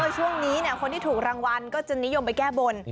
ช่วงนี้คนที่ถูกรางวัลก็จะนิยมไปแก้บน